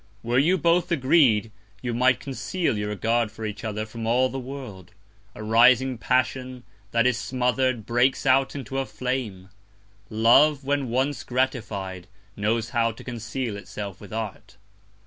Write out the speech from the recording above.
Were you both agreed, you might conceal your Regard for each other from all the World: A rising Passion, that is smother'd, breaks out into a Flame; Love, when once gratified, knows how to conceal itself with Art.